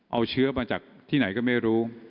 เอาเชื้อมาจากที่ไหนก็ไม่รู้